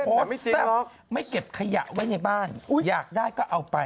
แซ่บไม่เก็บขยะไว้ในบ้านอยากได้ก็เอาไป